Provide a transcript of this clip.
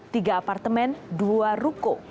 tiga apartemen dua ruko